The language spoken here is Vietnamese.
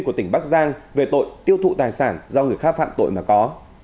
của tỉnh bắc giang về tội tiêu thụ tài sản do người khác phạm tội mà có